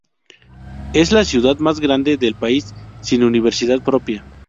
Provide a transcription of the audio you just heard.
Es la ciudad más grande del país sin universidad propia.